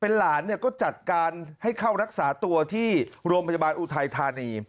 หลานเนี่ยก็จัดการให้เข้ารักษาตัวที่โรงพยาบาลอุทัยธานี